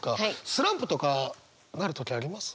スランプとかなる時あります？